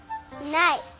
ない。